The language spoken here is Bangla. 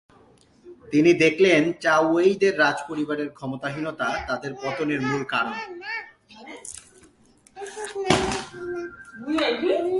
তিনি দেখলেন চাও ওয়েইয়ের রাজপরিবারের ক্ষমতাহীনতা তাদের পতনের মূল কারণ।